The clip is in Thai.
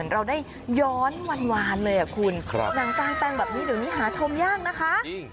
นางตาแปลงแบบนี้เดี๋ยวนี้หาชมยากนะคะ